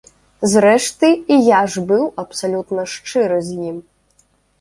Зрэшты, і я ж быў абсалютна шчыры з ім.